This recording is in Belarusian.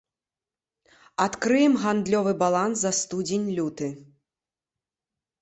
Адкрыем гандлёвы баланс за студзень-люты.